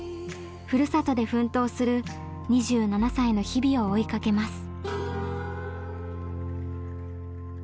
ふるさとで奮闘する２７歳の日々を追いかけます。